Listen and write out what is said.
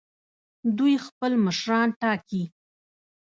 دوی خپل مشران ټاکي.